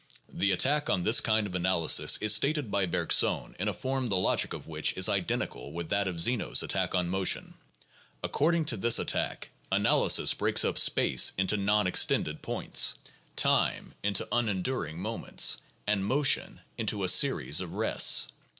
The attack on this kind of analysis is stated by Bergson in a form the logic of which is identical with that of Zeno 's attack on motion. According to this attack analysis breaks up space into non extended points, time into unenduring moments, and motion into a series of rests.